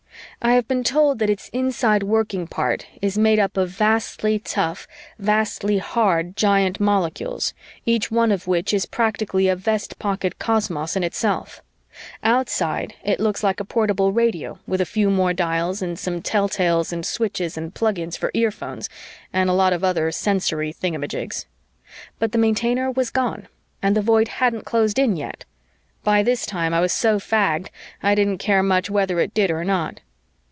I have been told that its inside working part is made up of vastly tough, vastly hard giant molecules, each one of which is practically a vest pocket cosmos in itself. Outside, it looks like a portable radio with a few more dials and some telltales and switches and plug ins for earphones and a lot of other sensory thingumajigs. But the Maintainer was gone and the Void hadn't closed in, yet. By this time, I was so fagged, I didn't care much whether it did or not.